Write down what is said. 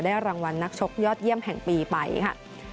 รางวัลนักชกยอดเยี่ยมแห่งปีไปค่ะ